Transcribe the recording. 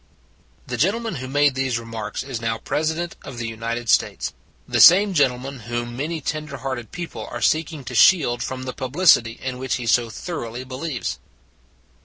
The gentleman who made these remarks is now President of the United States the same gentleman whom many tender hearted people are seeking to shield from the publicity in which he so thoroughly believes.